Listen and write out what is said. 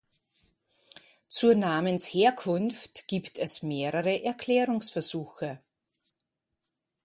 Zur Namensherkunft gibt es mehrere Erklärungsversuche.